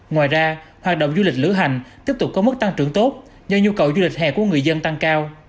ngoài ra hoạt động du lịch lửa hành tiếp tục có mức tăng trưởng tốt do nhu cầu du lịch hè của người dân tăng cao